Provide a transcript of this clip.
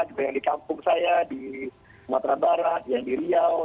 juga yang di kampung saya di sumatera barat yang di riau